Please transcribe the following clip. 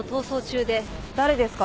誰ですか？